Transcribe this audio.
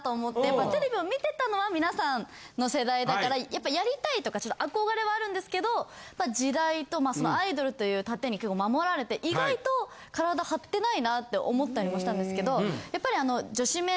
やっぱテレビを見てたのはみなさんの世代だからやっぱやりたいとか憧れはあるんですけど時代とアイドルという盾に結構守られて意外と体張ってないなって思ったりもしたんですけどやっぱりあの。